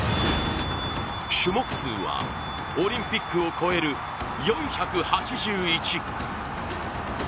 種目数はオリンピックを超える４８１。